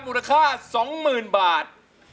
มูลค่า๒๐๐๐บาท